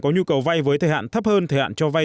có nhu cầu vay với thời hạn thấp hơn thời hạn cho vay